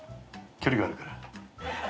距離があるから。